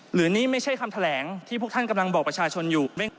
หรือนี่ไม่ใช่คำแถลงที่พวกท่านกำลังบอกประชาชนอยู่